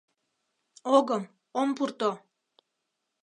Огым, ом пурто!